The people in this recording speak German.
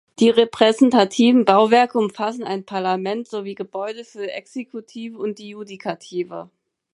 Die repräsentativen Bauwerke umfassen ein Parlament sowie Gebäude für die Exekutive und die Judikative.